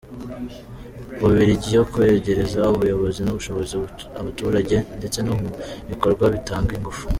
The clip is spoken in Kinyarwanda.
Ububiligi yo kwegereza ubuyobozi n’ubushobozi abaturage, ndetse no mu bikorwa bitanga ingufu.